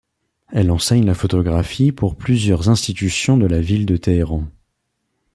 Elle enseigne la photographie pour plusieurs institutions de la ville de Téhéran.